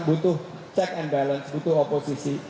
butuh check and balance butuh oposisi